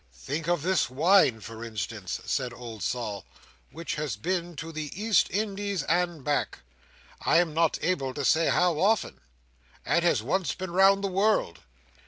"Think of this wine for instance," said old Sol, "which has been to the East Indies and back, I'm not able to say how often, and has been once round the world.